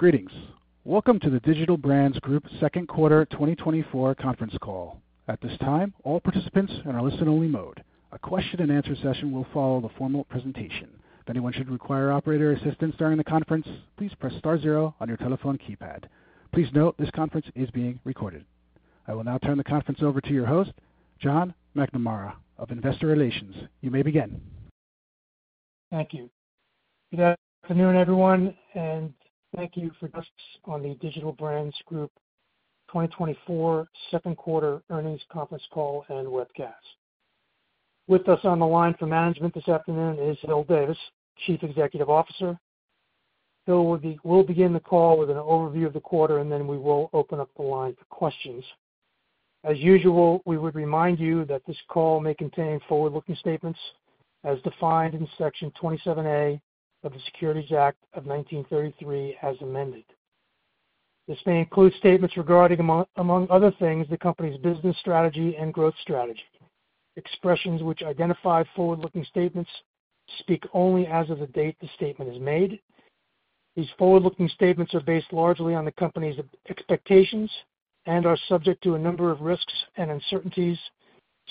Greetings! Welcome to the Digital Brands Group Second Quarter 2024 conference call. At this time, all participants are in a listen-only mode. A question-and-answer session will follow the formal presentation. If anyone should require operator assistance during the conference, please press star zero on your telephone keypad. Please note, this conference is being recorded. I will now turn the conference over to your host, John McNamara of Investor Relations. You may begin. Thank you. Good afternoon, everyone, and thank you for joining us on the Digital Brands Group 2024 second quarter earnings conference call and webcast. With us on the line for management this afternoon is Hil Davis, Chief Executive Officer. Hil will. We'll begin the call with an overview of the quarter, and then we will open up the line for questions. As usual, we would remind you that this call may contain forward-looking statements as defined in Section 27A of the Securities Act of 1933, as amended. This may include statements regarding, among other things, the company's business strategy and growth strategy. Expressions which identify forward-looking statements speak only as of the date the statement is made. These forward-looking statements are based largely on the company's expectations and are subject to a number of risks and uncertainties,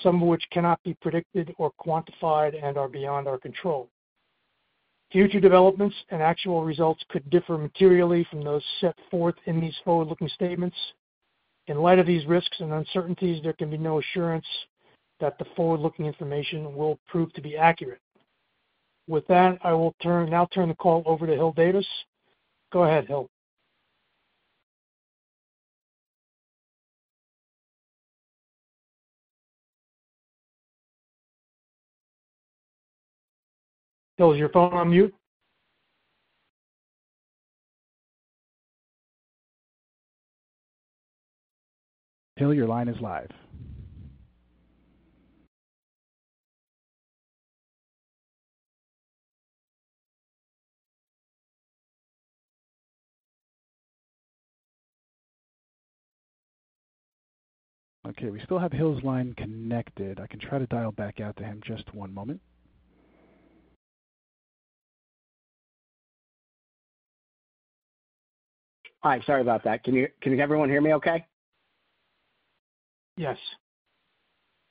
some of which cannot be predicted or quantified and are beyond our control. Future developments and actual results could differ materially from those set forth in these forward-looking statements. In light of these risks and uncertainties, there can be no assurance that the forward-looking information will prove to be accurate. With that, I will now turn the call over to Hil Davis. Go ahead, Hil. Hil, is your phone on mute? Hil, your line is live. Okay, we still have Hil's line connected. I can try to dial back out to him. Just one moment. Hi, sorry about that. Can everyone hear me okay? Yes.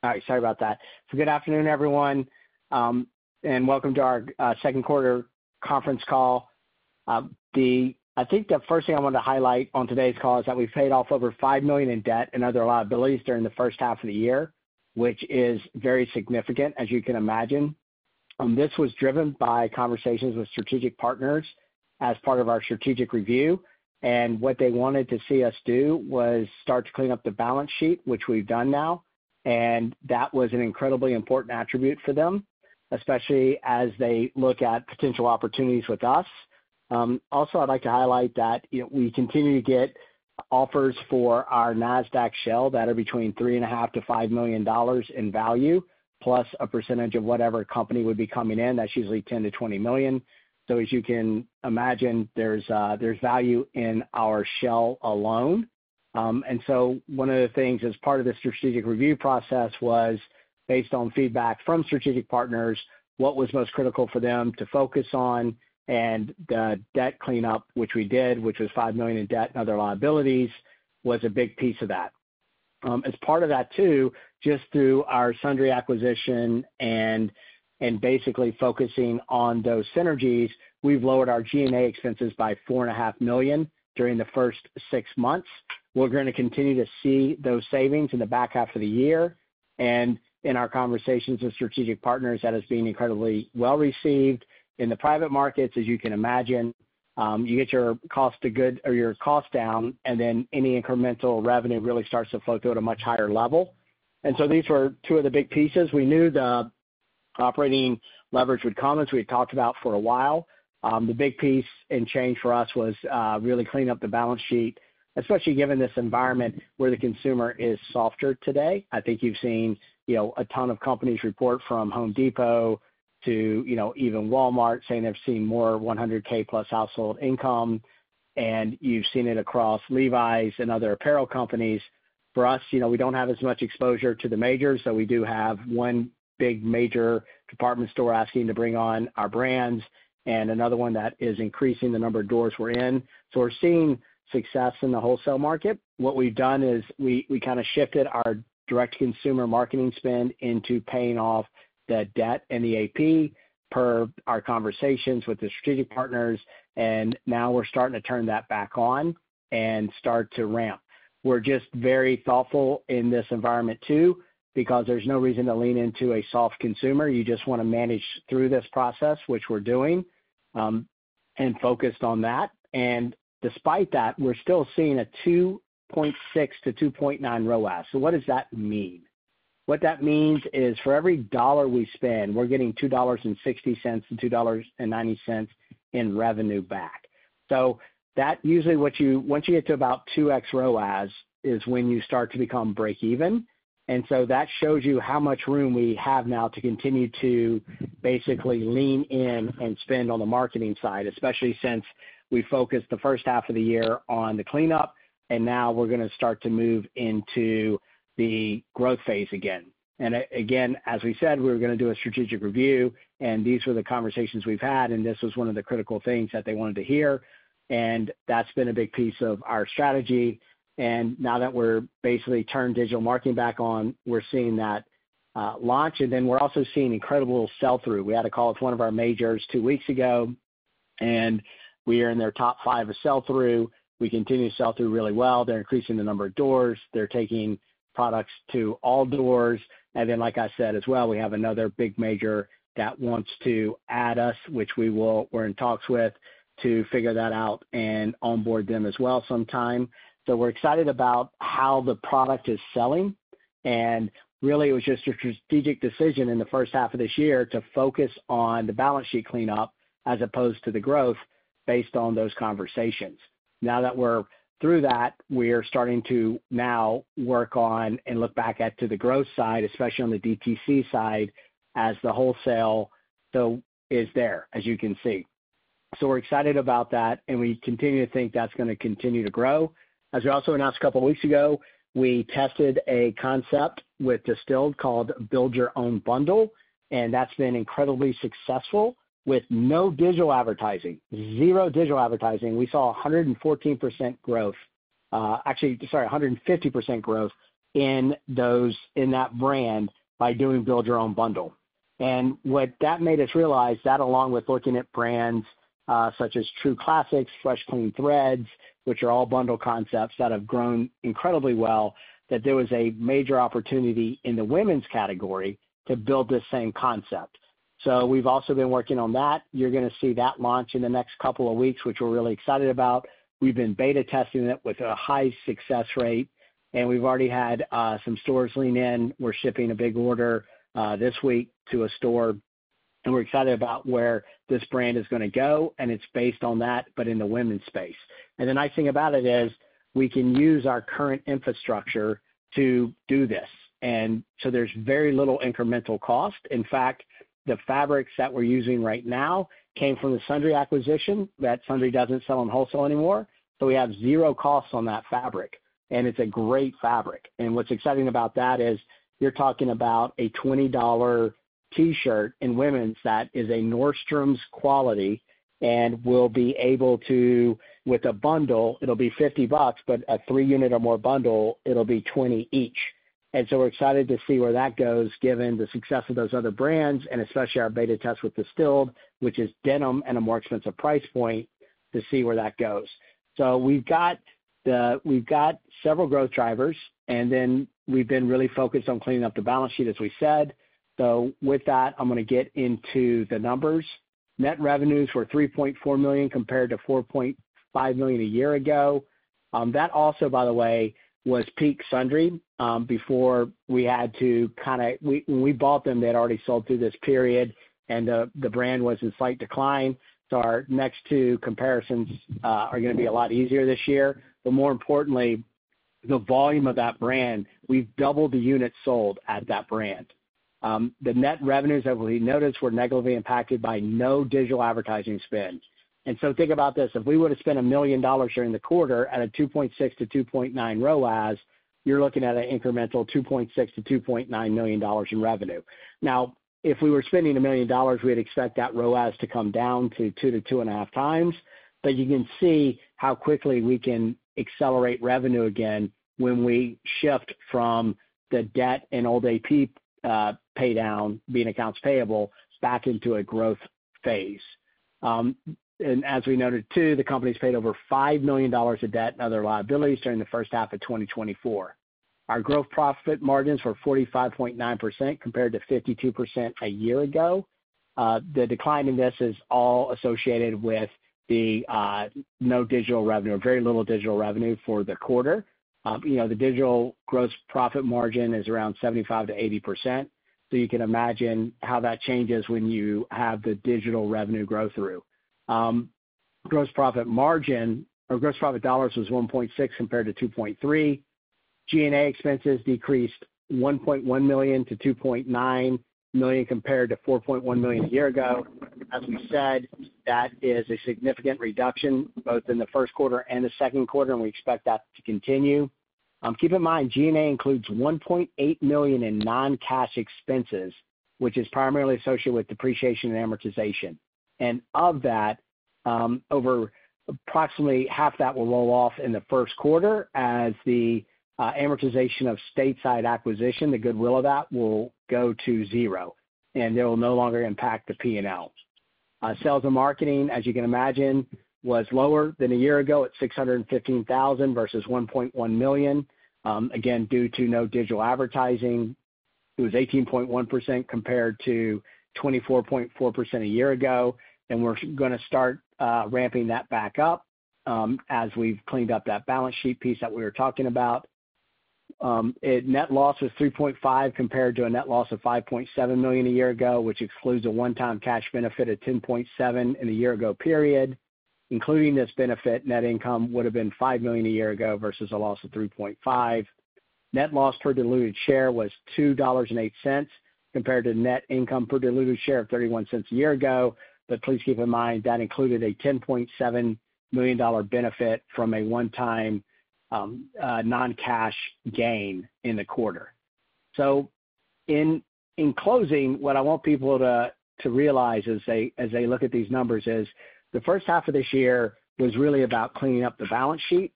All right, sorry about that. So good afternoon, everyone, and welcome to our second quarter conference call. I think the first thing I want to highlight on today's call is that we paid off over $5 million in debt and other liabilities during the first half of the year, which is very significant, as you can imagine. This was driven by conversations with strategic partners as part of our strategic review, and what they wanted to see us do was start to clean up the balance sheet, which we've done now, and that was an incredibly important attribute for them, especially as they look at potential opportunities with us. Also, I'd like to highlight that, you know, we continue to get offers for our Nasdaq shell that are between $3.5-$5 million in value, plus a percentage of whatever company would be coming in. That's usually $10-$20 million, so as you can imagine, there's value in our shell alone, and so one of the things, as part of the strategic review process, was based on feedback from strategic partners, what was most critical for them to focus on, and the debt cleanup, which we did, which was $5 million in debt and other liabilities, was a big piece of that. As part of that, too, just through our Sundry acquisition and basically focusing on those synergies, we've lowered our G&A expenses by $4.5 million during the first six months. We're going to continue to see those savings in the back half of the year and in our conversations with strategic partners, that is being incredibly well received. In the private markets, as you can imagine, you get your cost of goods or your cost down, and then any incremental revenue really starts to flow through at a much higher level. And so these were two of the big pieces. We knew the operating leverage would come, as we had talked about for a while. The big piece and change for us was really cleaning up the balance sheet, especially given this environment where the consumer is softer today. I think you've seen, you know, a ton of companies report from Home Depot to, you know, even Walmart, saying they've seen more one hundred K plus household income, and you've seen it across Levi's and other apparel companies. For us, you know, we don't have as much exposure to the majors, so we do have one big major department store asking to bring on our brands and another one that is increasing the number of doors we're in. So we're seeing success in the wholesale market. What we've done is we kind of shifted our direct-to-consumer marketing spend into paying off the debt and the AP per our conversations with the strategic partners, and now we're starting to turn that back on and start to ramp. We're just very thoughtful in this environment, too, because there's no reason to lean into a soft consumer. You just want to manage through this process, which we're doing, and focused on that. And despite that, we're still seeing a 2.6-2.9 ROAS. So what does that mean? What that means is for every dollar we spend, we're getting $2.60 and $2.90 in revenue back. So once you get to about 2x ROAS is when you start to become break even. And so that shows you how much room we have now to continue to basically lean in and spend on the marketing side, especially since we focused the first half of the year on the cleanup, and now we're gonna start to move into the growth phase again. Again, as we said, we were gonna do a strategic review, and these were the conversations we've had, and this was one of the critical things that they wanted to hear, and that's been a big piece of our strategy. Now that we're basically turned digital marketing back on, we're seeing that launch, and then we're also seeing incredible sell-through. We had a call with one of our majors two weeks ago, and we are in their top five of sell-through. We continue to sell through really well. They're increasing the number of doors. They're taking products to all doors. And then, like I said as well, we have another big major that wants to add us, which we will. We're in talks with to figure that out and onboard them as well sometime. We're excited about how the product is selling, and really, it was just a strategic decision in the first half of this year to focus on the balance sheet cleanup as opposed to the growth based on those conversations. Now that we're through that, we are starting to now work on and look back at to the growth side, especially on the DTC side, as the wholesale, though, is there, as you can see. We're excited about that, and we continue to think that's gonna continue to grow. As we also announced a couple weeks ago, we tested a concept with DSTLD called Build Your Own Bundle, and that's been incredibly successful. With no digital advertising, zero digital advertising, we saw 114% growth, actually, sorry, 150% growth in that brand by doing Build Your Own Bundle. What that made us realize, that along with looking at brands, such as True Classic, Fresh Clean Threads, which are all bundle concepts that have grown incredibly well, that there was a major opportunity in the women's category to build this same concept. So we've also been working on that. You're gonna see that launch in the next couple of weeks, which we're really excited about. We've been beta testing it with a high success rate, and we've already had some stores lean in. We're shipping a big order this week to a store, and we're excited about where this brand is gonna go, and it's based on that, but in the women's space. The nice thing about it is, we can use our current infrastructure to do this, and so there's very little incremental cost. In fact, the fabrics that we're using right now came from the Sundry acquisition, that Sundry doesn't sell on wholesale anymore. So we have zero costs on that fabric, and it's a great fabric. And what's exciting about that is, you're talking about a $20 T-shirt in women's that is a Nordstrom's quality and will be able to, with a bundle, it'll be $50, but a three-unit or more bundle, it'll be $20 each. And so we're excited to see where that goes, given the success of those other brands, and especially our beta test with DSTLD, which is denim at a more expensive price point, to see where that goes. So we've got several growth drivers, and then we've been really focused on cleaning up the balance sheet, as we said. So with that, I'm gonna get into the numbers. Net revenues were $3.4 million, compared to $4.5 million a year ago. That also, by the way, was peak Sundry, before we had to kinda... When we bought them, they had already sold through this period, and the brand was in slight decline. So our next two comparisons are gonna be a lot easier this year. But more importantly, the volume of that brand, we've doubled the units sold at that brand. The net revenues that we noticed were negatively impacted by no digital advertising spend. And so think about this: If we would have spent $1 million during the quarter at a 2.6-2.9 ROAS, you're looking at an incremental $2.6-$2.9 million in revenue. Now, if we were spending $1 million, we'd expect that ROAS to come down to two to two and a half times. But you can see how quickly we can accelerate revenue again when we shift from the debt and old AP, pay down, being accounts payable, back into a growth phase, and as we noted, too, the company's paid over $5 million of debt and other liabilities during the first half of 2024. Our gross profit margins were 45.9%, compared to 52% a year ago. The decline in this is all associated with the, no digital revenue, or very little digital revenue for the quarter. You know, the digital gross profit margin is around 75%-80%, so you can imagine how that changes when you have the digital revenue grow through. Gross profit margin, or gross profit dollars, was 1.6 compared to 2.3. G&A expenses decreased $1.1 million to $2.9 million, compared to $4.1 million a year ago. As we said, that is a significant reduction, both in the first quarter and the second quarter, and we expect that to continue. Keep in mind, G&A includes $1.8 million in non-cash expenses, which is primarily associated with depreciation and amortization. Of that, over approximately half that will roll off in the first quarter as the amortization of Stateside acquisition, the goodwill of that, will go to zero, and it will no longer impact the P&L. Sales and marketing, as you can imagine, was lower than a year ago at $615,000 versus $1.1 million, again, due to no digital advertising. It was 18.1% compared to 24.4% a year ago, and we're gonna start ramping that back up, as we've cleaned up that balance sheet piece that we were talking about. Net loss was $3.5 million, compared to a net loss of $5.7 million a year ago, which excludes a one-time cash benefit of $10.7 million in the year-ago period. Including this benefit, net income would have been $5 million a year ago, versus a loss of $3.5 million. Net loss per diluted share was $2.08, compared to net income per diluted share of $0.31 a year ago. But please keep in mind, that included a $10.7 million benefit from a one-time, non-cash gain in the quarter. So in closing, what I want people to realize as they look at these numbers, is the first half of this year was really about cleaning up the balance sheet,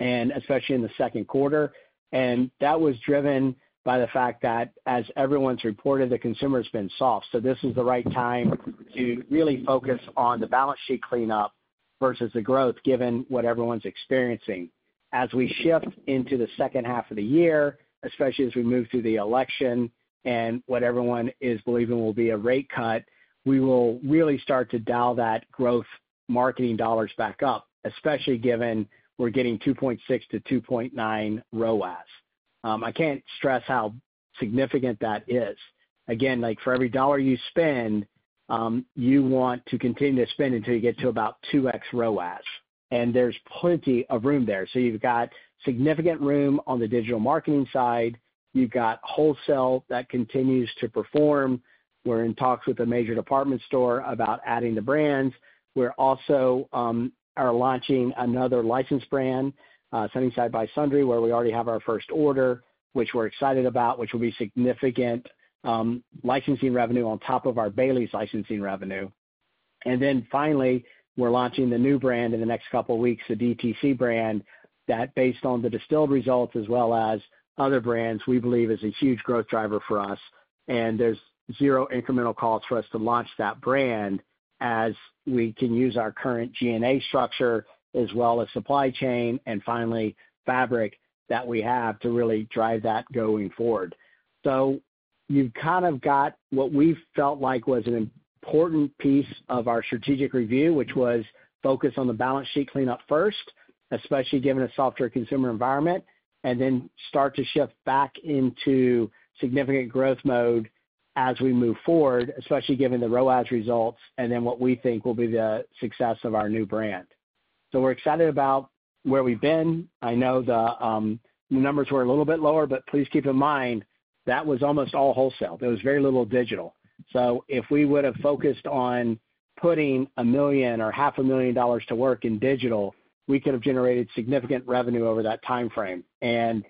and especially in the second quarter, and that was driven by the fact that, as everyone's reported, the consumer's been soft. So this is the right time to really focus on the balance sheet cleanup versus the growth, given what everyone's experiencing. As we shift into the second half of the year, especially as we move through the election and what everyone is believing will be a rate cut, we will really start to dial that growth marketing dollars back up, especially given we're getting 2.6-2.9 ROAS. I can't stress how significant that is. Again, like, for every dollar you spend, you want to continue to spend until you get to about 2x ROAS, and there's plenty of room there. So you've got significant room on the digital marketing side. You've got wholesale that continues to perform. We're in talks with a major department store about adding the brands. We're also launching another licensed brand, Sunnyside by Sundry, where we already have our first order, which we're excited about, which will be significant licensing revenue on top of our Bailey's licensing revenue. And then finally, we're launching the new brand in the next couple weeks, the DTC brand, that based on the DSTLD results as well as other brands, we believe is a huge growth driver for us, and there's zero incremental cost for us to launch that brand, as we can use our current G&A structure as well as supply chain, and finally, fabric that we have to really drive that going forward. So you've kind of got what we felt like was an important piece of our strategic review, which was focus on the balance sheet cleanup first, especially given a softer consumer environment, and then start to shift back into significant growth mode as we move forward, especially given the ROAS results and then what we think will be the success of our new brand. So we're excited about where we've been. I know the numbers were a little bit lower, but please keep in mind that was almost all wholesale. There was very little digital. So if we would have focused on putting $1 million or $500,000 to work in digital, we could have generated significant revenue over that timeframe. And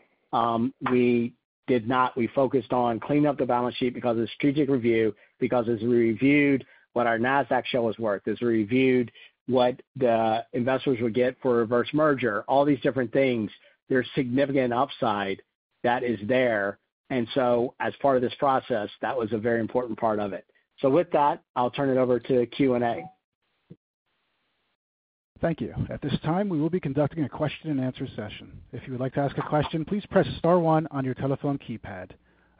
we did not. We focused on cleaning up the balance sheet because of the strategic review, because as we reviewed what our Nasdaq share was worth, as we reviewed what the investors would get for a reverse merger, all these different things, there's significant upside that is there, and so as part of this process, that was a very important part of it, so with that, I'll turn it over to Q&A. Thank you. At this time, we will be conducting a question-and-answer session. If you would like to ask a question, please press star one on your telephone keypad.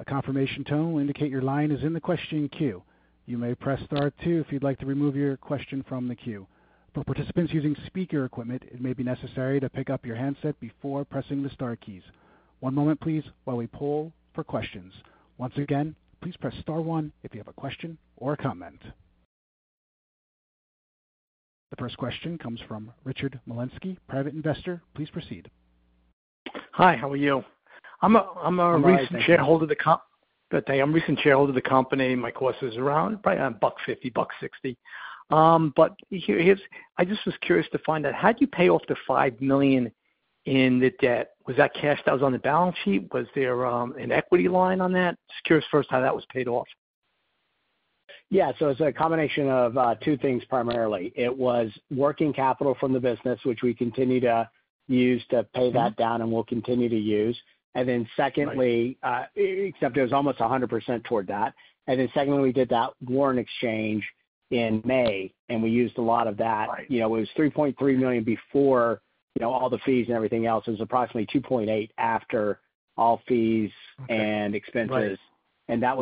A confirmation tone will indicate your line is in the question queue. You may press star two if you'd like to remove your question from the queue. For participants using speaker equipment, it may be necessary to pick up your handset before pressing the star keys. One moment please while we poll for questions. Once again, please press star one if you have a question or a comment. The first question comes from Richard Malinsky, private investor. Please proceed. Hi, how are you? I'm a recent- Hi, thank you. I'm a recent shareholder of the company. My cost is around probably $1.50-$1.60. But here's... I just was curious to find out, how'd you pay off the $5 million in the debt? Was that cash that was on the balance sheet? Was there an equity line on that? Just curious first how that was paid off. Yeah, so it's a combination of two things, primarily. It was working capital from the business, which we continue to use to pay that down- Mm-hmm. and will continue to use. And then secondly, except it was almost 100% toward that. And then secondly, we did that warrant exchange in May, and we used a lot of that. Right. You know, it was $3.3 million before, you know, all the fees and everything else. It was approximately $2.8 million after all fees- Okay... and expenses. Right. That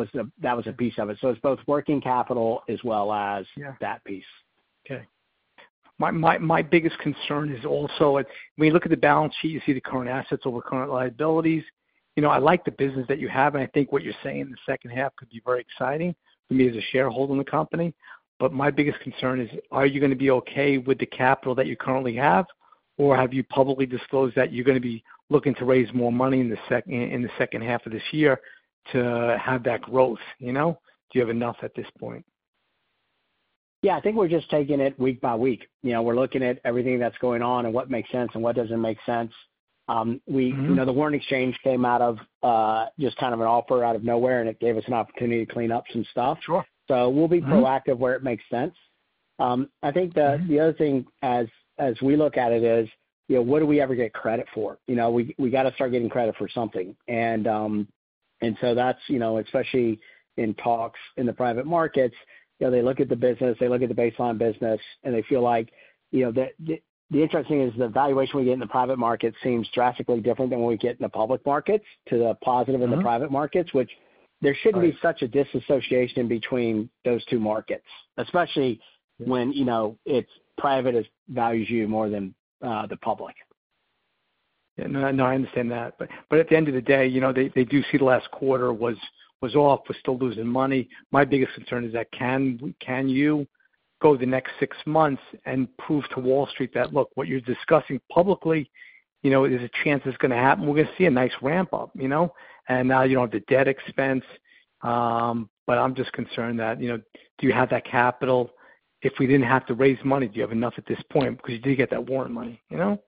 was a piece of it. So it's both working capital as well as- Yeah... that piece. Okay. My, my, my biggest concern is also, when you look at the balance sheet, you see the current assets over current liabilities. You know, I like the business that you have, and I think what you're saying in the second half could be very exciting for me as a shareholder in the company. But my biggest concern is, are you gonna be okay with the capital that you currently have, or have you publicly disclosed that you're gonna be looking to raise more money in the second half of this year to have that growth, you know? Do you have enough at this point? Yeah, I think we're just taking it week by week. You know, we're looking at everything that's going on and what makes sense and what doesn't make sense. Mm-hmm. You know, the warrant exchange came out of just kind of an offer out of nowhere, and it gave us an opportunity to clean up some stuff. Sure. So we'll be- Mm-hmm... proactive where it makes sense. I think the- Mm-hmm... the other thing as we look at it is, you know, what do we ever get credit for? You know, we gotta start getting credit for something. And, and so that's, you know, especially in talks in the private markets, you know, they look at the business, they look at the baseline business, and they feel like, you know, the interesting is the valuation we get in the private market seems drastically different than what we get in the public markets, to the positive- Mm-hmm... in the private markets, which there shouldn't be- Right... such a disassociation between those two markets, especially when, you know, it's private, it values you more than the public. ... Yeah, no, no, I understand that. But at the end of the day, you know, they do see the last quarter was off. We're still losing money. My biggest concern is that can you go the next six months and prove to Wall Street that, look, what you're discussing publicly, you know, there's a chance it's gonna happen. We're gonna see a nice ramp up, you know? And now you don't have the debt expense. But I'm just concerned that, you know, do you have that capital? If we didn't have to raise money, do you have enough at this point, because you did get that warrant money, you know?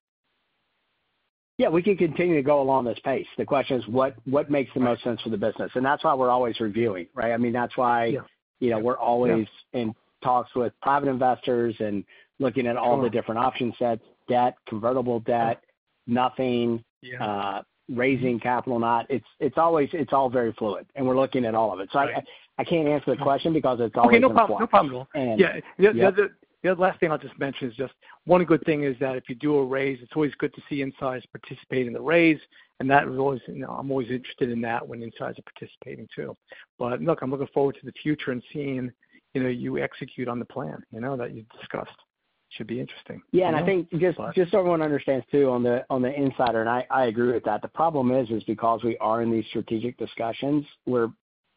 Yeah, we can continue to go along this pace. The question is what makes the most sense for the business? And that's why we're always reviewing, right? I mean, that's why- Yeah. You know, we're always in talks with private investors and looking at all the different option sets, debt, convertible debt, nothing. Yeah. raising capital or not. It's always. It's all very fluid, and we're looking at all of it. Right. So I can't answer the question because it's always in flux. Okay, no problem. No problem. And, yeah. Yeah, the last thing I'll just mention is just one good thing is that if you do a raise, it's always good to see insiders participate in the raise, and that is always, you know, I'm always interested in that when insiders are participating too. But look, I'm looking forward to the future and seeing, you know, you execute on the plan, you know, that you've discussed. Should be interesting. Yeah, and I think just so everyone understands too, on the insider, and I agree with that. The problem is because we are in these strategic discussions, we're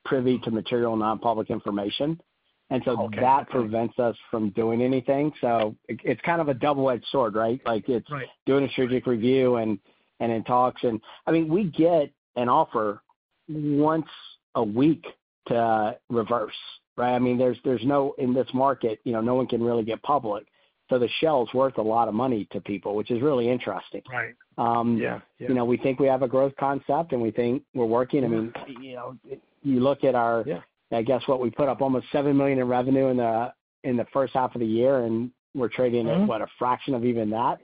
privy to material, non-public information. Okay. So that prevents us from doing anything. So it, it's kind of a double-edged sword, right? Right. Like, it's doing a strategic review and in talks. And I mean, we get an offer once a week to reverse, right? I mean, there's no... In this market, you know, no one can really get public, so the shell's worth a lot of money to people, which is really interesting. Right. Yeah, yeah. You know, we think we have a growth concept, and we think we're working. Yeah. I mean, you know, you look at our- Yeah. I guess what, we put up almost $7 million in revenue in the first half of the year, and we're trading at, what? A fraction of even that.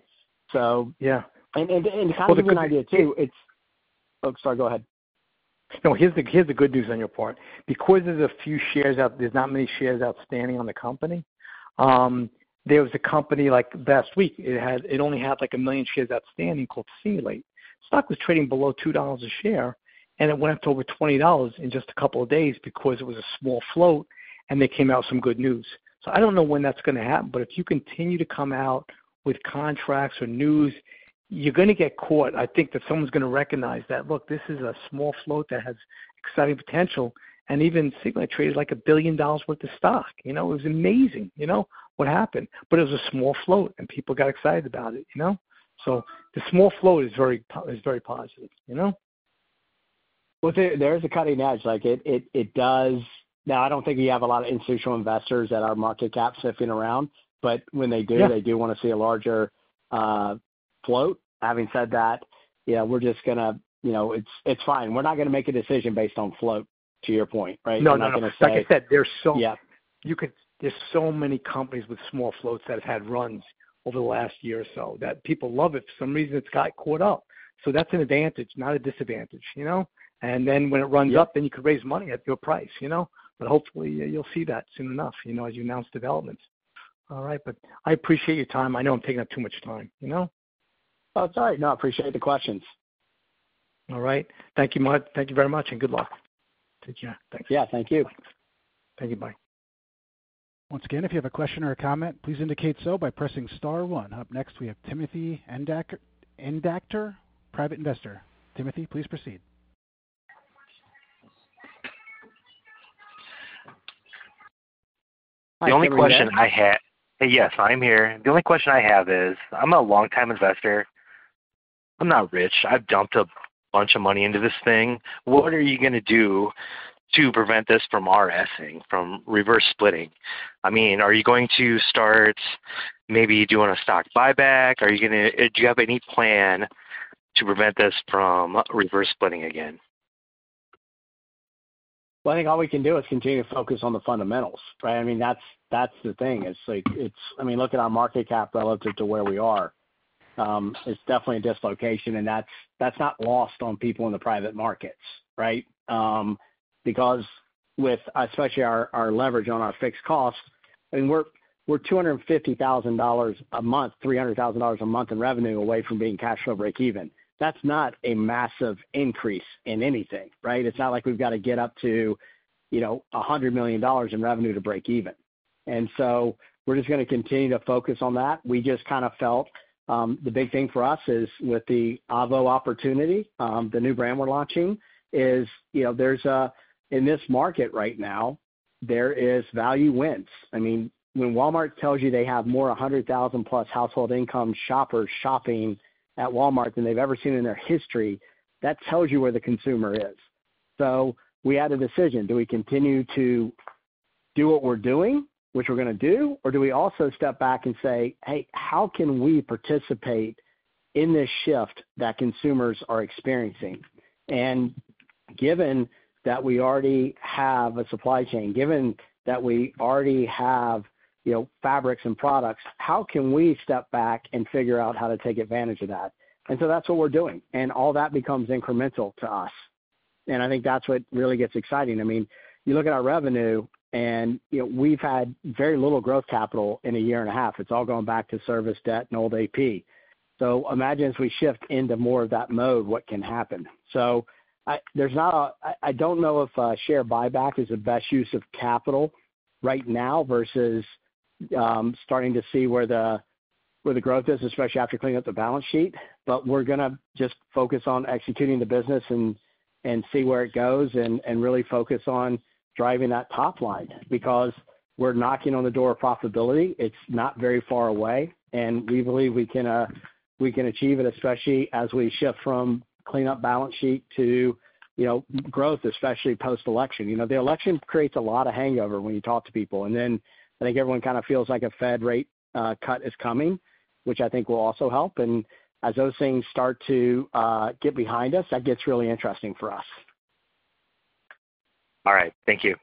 So- Yeah. And kind of a good idea too, it's- Oh, sorry, go ahead. No, here's the good news on your part. Because there's a few shares out, there's not many shares outstanding on the company. There was a company, like, last week, it only had, like, 1 million shares outstanding, called SEALIGHT. Stock was trading below $2 a share, and it went up to over $20 in just a couple of days because it was a small float, and they came out with some good news. So I don't know when that's gonna happen, but if you continue to come out with contracts or news, you're gonna get caught. I think that someone's gonna recognize that, look, this is a small float that has exciting potential, and even SEALIGHT traded, like, $1 billion worth of stock. You know, it was amazing, you know, what happened, but it was a small float, and people got excited about it, you know. So the small float is very positive, you know. There is a cutting edge. Like, it does. Now, I don't think we have a lot of institutional investors that are market cap sniffing around, but when they do- Yeah... they do wanna see a larger float. Having said that, yeah, we're just gonna, you know, it's fine. We're not gonna make a decision based on float, to your point, right? No, no, no. We're not gonna say- Like I said, there's so- Yeah. There's so many companies with small floats that have had runs over the last year or so, that people love it. For some reason, it's got caught up. So that's an advantage, not a disadvantage, you know? And then when it runs up- Yep... then you can raise money at your price, you know? But hopefully you'll see that soon enough, you know, as you announce developments. All right, but I appreciate your time. I know I'm taking up too much time, you know? Oh, it's all right. No, I appreciate the questions. All right. Thank you much. Thank you very much, and good luck to you. Thanks. Yeah, thank you. Thank you. Bye. Once again, if you have a question or a comment, please indicate so by pressing star one. Up next, we have Timothy Endicott, private investor. Timothy, please proceed. Yes, I'm here. The only question I have is, I'm a longtime investor. I'm not rich. I've dumped a bunch of money into this thing. What are you gonna do to prevent this from RSing, from reverse splitting? I mean, are you going to start maybe doing a stock buyback? Are you gonna do you have any plan to prevent this from reverse splitting again? I think all we can do is continue to focus on the fundamentals, right? I mean, that's, that's the thing. It's like, it's... I mean, look at our market cap relative to where we are. It's definitely a dislocation, and that's, that's not lost on people in the private markets, right? Because with, especially our, our leverage on our fixed costs, I mean, we're, we're $250,000 a month, $300,000 a month in revenue away from being cash flow break even. That's not a massive increase in anything, right? It's not like we've got to get up to, you know, $100 million in revenue to break even. And so we're just gonna continue to focus on that. We just kind of felt, the big thing for us is with the Avo opportunity, the new brand we're launching, is, you know, there's in this market right now, there is value wins. I mean, when Walmart tells you they have more a hundred thousand plus household income shoppers shopping at Walmart than they've ever seen in their history, that tells you where the consumer is. So we had a decision: Do we continue to do what we're doing, which we're gonna do, or do we also step back and say, "Hey, how can we participate in this shift that consumers are experiencing? And given that we already have a supply chain, given that we already have, you know, fabrics and products, how can we step back and figure out how to take advantage of that?" And so that's what we're doing, and all that becomes incremental to us. And I think that's what really gets exciting. I mean, you look at our revenue, and, you know, we've had very little growth capital in a year and a half. It's all gone back to service debt and old AP. So imagine as we shift into more of that mode, what can happen. So I- there's not a... I don't know if share buyback is the best use of capital right now versus starting to see where the growth is, especially after cleaning up the balance sheet, but we're gonna just focus on executing the business and see where it goes, and really focus on driving that top line, because we're knocking on the door of profitability. It's not very far away, and we believe we can achieve it, especially as we shift from clean up balance sheet to, you know, growth, especially post-election. You know, the election creates a lot of hangover when you talk to people, and then I think everyone kind of feels like a Fed rate cut is coming, which I think will also help, and as those things start to get behind us, that gets really interesting for us. All right. Thank you.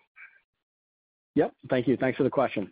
Yep, thank you. Thanks for the question.